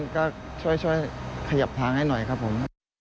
ก็ช่วยขยับทางให้หน่อยครับผม